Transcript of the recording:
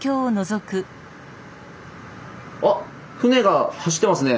あっ船が走ってますね。